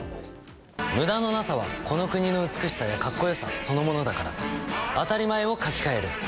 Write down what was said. むだのなさはこの国の美しさやかっこよさそのものだから、当たり前を書き換える。